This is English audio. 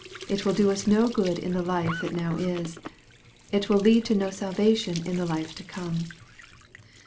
It will do us no good in the life that now is. It will lead to no salvation in the life to come.